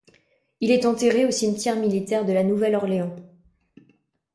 Il est enterré au cimetière militaire de La Nouvelle-Orléans.